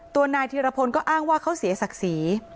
นายธีรพลก็อ้างว่าเขาเสียศักดิ์ศรี